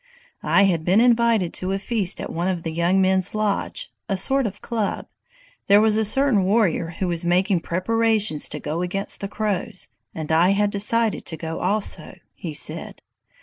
"I had been invited to a feast at one of the young men's lodges [a sort of club]. There was a certain warrior who was making preparations to go against the Crows, and I had decided to go also," he said.